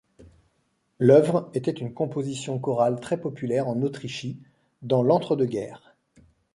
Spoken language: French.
L'œuvre était une composition chorale très populaire en Autrichie dans l'entre-deux-guerres.